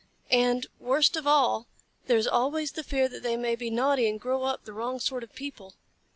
And, worst of all, there is always the fear that they may be naughty and grow up the wrong sort of people.